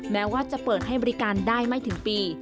แม้ว่าจะเปิดให้บริการได้ไม่ถึงปี